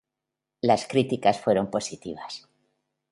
Las críticas fueron positivas.